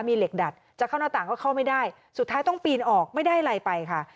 มีเหล็กดัดจะเข้าหน้าต่างก็เข้าไม่ได้สุดท้ายต้องปีนออกไม่ได้อะไรไปค่ะ